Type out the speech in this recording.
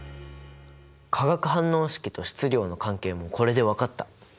化学反応式と質量の関係もこれで分かった。